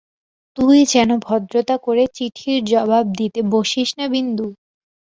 তুই যেন ভদ্রতা করে চিঠির জবাব দিতে বসিস্ না বিন্দু।